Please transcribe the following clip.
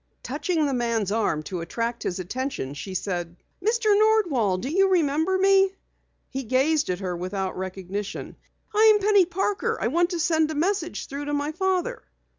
Touching the man's arm to attract his attention, she said breathlessly: "Mr. Nordwall, do you remember me?" He gazed at her without recognition. "I'm Penny Parker. I want to get a message through to my father."